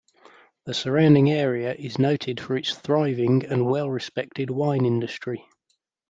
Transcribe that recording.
The surrounding area is noted for its thriving and well-respected wine industry.